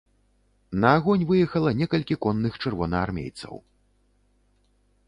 На агонь выехала некалькі конных чырвонаармейцаў.